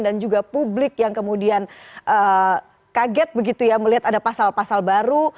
dan juga publik yang kemudian kaget begitu ya melihat ada pasal pasal baru